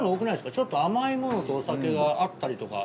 ちょっと甘いものとお酒が合ったりとか。